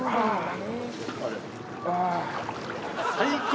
最高。